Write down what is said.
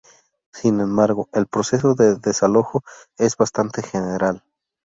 Sin embargo, el proceso de desalojo es bastante general.